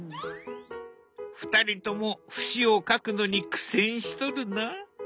２人とも節を描くのに苦戦しとるな。